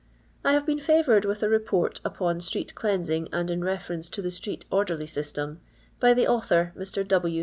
I HAVE been fisTooied ivith a Report "upon street cleaniing and in v^erenoe to tiie StreetrOrderlj Byttem/' by the Author^ Mr. W.